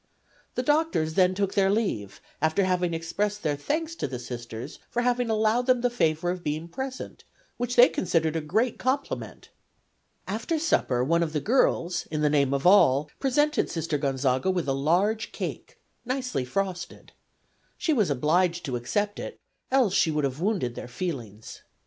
The doctors then took their leave, after having expressed their thanks to the Sisters for having allowed them the favor of being present, which they considered a great compliment. After supper one of the girls, in the name of all, presented Sister Gonzaga with a large cake, nicely frosted. She was obliged to accept it, else she would have wounded their feelings.